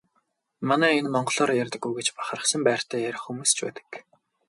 Манай энэ монголоор ярьдаггүй гэж бахархсан байртай ярих хүмүүс ч байдаг.